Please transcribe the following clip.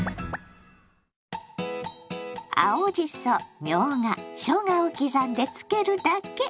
青じそみょうがしょうがを刻んでつけるだけ！